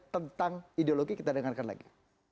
tentang ideologi kita dengarkan lagi